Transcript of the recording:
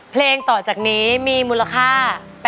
เพลงต่อจากนี้มีมูลค่า